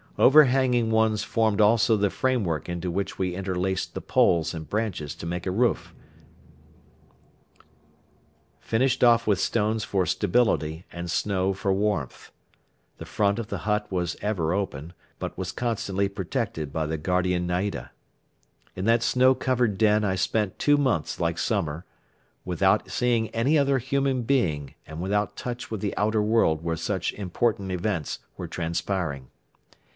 Overhanging ones formed also the framework into which we interlaced the poles and branches to make a roof, finished off with stones for stability and snow for warmth. The front of the hut was ever open but was constantly protected by the guardian naida. In that snow covered den I spent two months like summer without seeing any other human being and without touch with the outer world where such important events were transpiring.